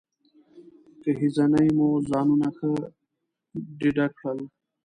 ګهیځنۍ مو ځانونه ښه ډېډه کړل.